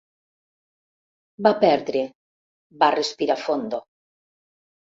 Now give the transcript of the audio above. Va perdre —va respirar fondo—.